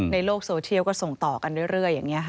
ในโลกโซเชียลก็ส่งต่อกันเรื่อยอย่างนี้ค่ะ